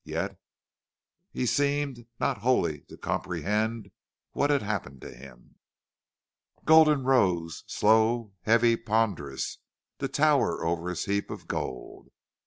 Yet he seemed not wholly to comprehend what had happened to him. Gulden rose, slow, heavy, ponderous, to tower over his heap of gold.